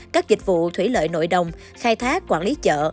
các dịch vụ thủy lợi nội đồng khai thác quản lý chợ